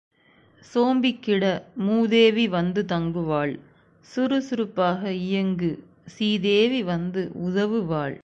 சோம்பிக்கிட மூதேவி வந்து தங்குவாள் சுறுசுறுப்பாக இயங்கு சீதேவி வந்து உதவுவாள்.